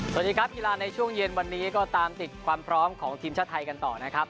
สวัสดีครับกีฬาในช่วงเย็นวันนี้ก็ตามติดความพร้อมของทีมชาติไทยกันต่อนะครับ